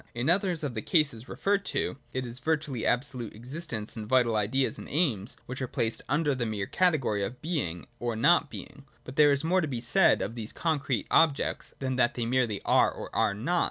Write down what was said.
In others of the cases referred to, it is virtually absolute existences and vital ideas and aims, which are placed under the mere category of Being or not Being. But there is more to be said of these concrete objects, than that they merely are or are not.